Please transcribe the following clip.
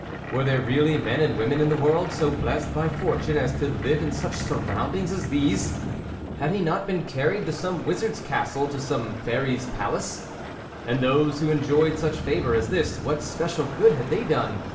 Were there really men and women in the world, so blessed by fortune as to live in such surroundings as these ? Had he not been carried to some wizard's castle, to some fairy's palace ? And those who enjoyed such favour as this, what special good had they done?